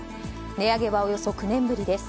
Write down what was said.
値上げはおよそ９年ぶりです。